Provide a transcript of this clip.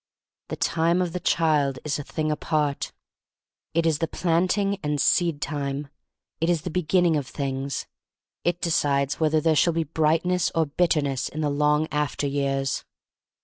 The time of the child is a thing apart. It is the Planting and Seed time. It is the Beginning of things. It decides whether there shall be bright ness or bitterness in the long after years.